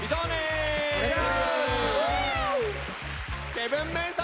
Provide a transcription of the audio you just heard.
７ＭＥＮ侍！